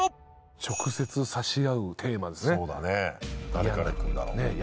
誰からいくんだろう？ねえ